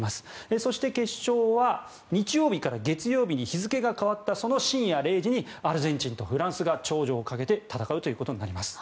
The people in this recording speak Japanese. そして、決勝は日曜日から月曜日に日付が変わったその深夜にアルゼンチンとフランスが頂点をかけて戦うことになります。